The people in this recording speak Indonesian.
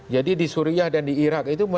jadi di suriah dan di irak itu